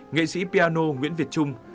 nghệ sĩ piano nguyễn việt trung